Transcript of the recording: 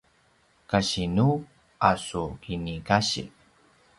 kasinu a su kinikasiv?